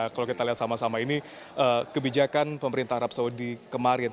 kalau kita lihat sama sama ini kebijakan pemerintah arab saudi kemarin